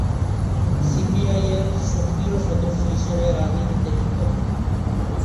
সিপিআই-এর সক্রিয় সদস্য হিসেবে রাজনীতিতে যুক্ত হন।